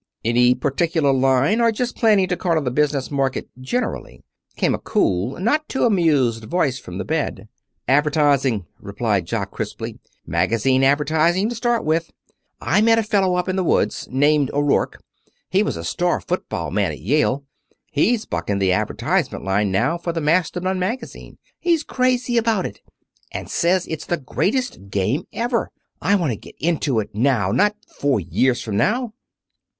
"Any particular line, or just planning to corner the business market generally?" came a cool, not too amused voice from the bed. "Advertising," replied Jock crisply. "Magazine advertising, to start with. I met a fellow up in the woods named O'Rourke. He was a star football man at Yale. He's bucking the advertising line now for the Mastodon Magazine. He's crazy about it, and says it's the greatest game ever. I want to get into it now not four years from now."